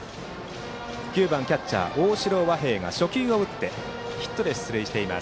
９番キャッチャー、大城和平が初球を打ってヒットで出塁しています。